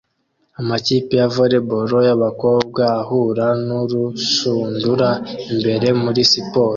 Amakipe ya volley ball y'abakobwa ahura nurushundura imbere muri siporo